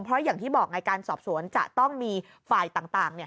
เพราะอย่างที่บอกไงการสอบสวนจะต้องมีฝ่ายต่างเนี่ย